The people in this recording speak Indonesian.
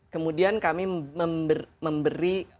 kemudian kami memberi